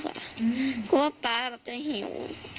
เพราะว่าป๊าแบบจะหิว